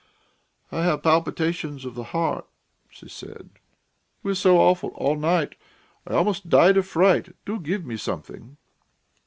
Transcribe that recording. "I have palpitations of the heart," she said, "It was so awful all night.... I almost died of fright! Do give me something."